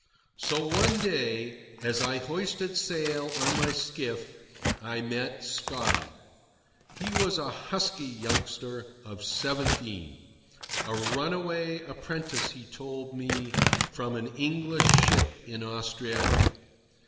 So, one day, as I hoisted sail on my skiff, I met Scotty. He was a husky youngster of seventeen, a runaway apprentice, he told me, from an English ship in Australia.